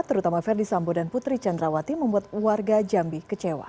terutama verdi sambo dan putri candrawati membuat warga jambi kecewa